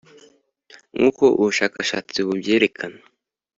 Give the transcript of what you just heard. Nk’uko ubushakashatsi bubyerekana